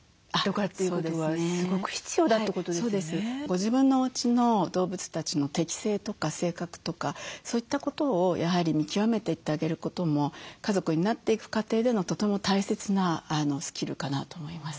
自分のおうちの動物たちの適性とか性格とかそういったことをやはり見極めていってあげることも家族になっていく過程でのとても大切なスキルかなと思います。